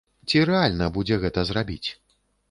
Ці рэальна будзе гэта зрабіць?